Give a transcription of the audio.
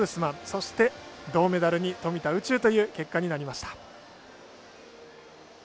そして銅メダルに富田宇宙という結果になりました。